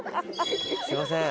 すみません。